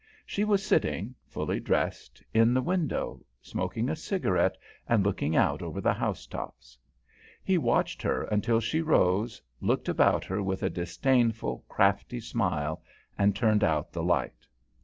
She was sitting, fully dressed, in the window, smoking a cigarette and looking out over the housetops. He watched her until she rose, looked about her with a disdainful, crafty smile, and turned out the light.